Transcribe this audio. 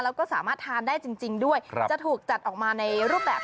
แล้วก็สามารถทานได้จริงด้วยจะถูกจัดออกมาในรูปแบบ